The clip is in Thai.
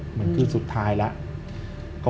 เหมือนคืนสุดท้ายแล้ว